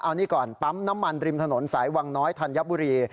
เอานี่ก่อนปั๊มน้ำมันริมถนนสายวังน้อยธัญบุรี